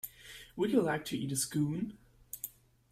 Would you like to eat a Scone?